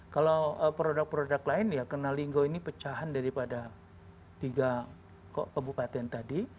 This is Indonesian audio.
kalau produk produk lain ya kenalinggo ini pecahan daripada tiga kabupaten tadi